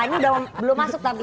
ini belum masuk tapi